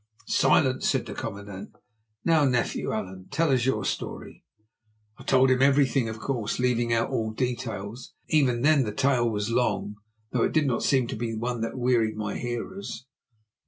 "Silence!" said the commandant. "Now, nephew Allan, tell us your story." So I told him everything, of course leaving out all details. Even then the tale was long, though it did not seem to be one that wearied my hearers.